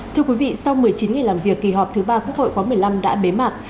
thưa quý vị sau một mươi chín ngày làm việc kỳ họp thứ ba quốc hội khóa một mươi năm đã bế mạc